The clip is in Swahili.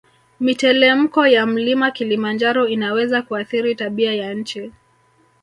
Mitelemko ya mlima kilimanjaro inaweza kuathiri tabia ya nchi